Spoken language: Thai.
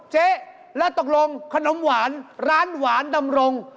เจ๊แล้วตกลงขนมหวานร้านหวานดำรง